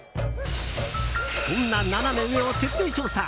そんなナナメ上を徹底調査